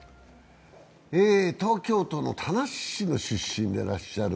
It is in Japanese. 東京都の田無市の出身でいらっしゃる。